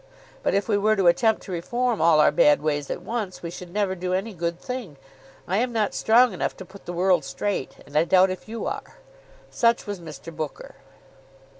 But if we were to attempt to reform all our bad ways at once, we should never do any good thing. I am not strong enough to put the world straight, and I doubt if you are." Such was Mr. Booker.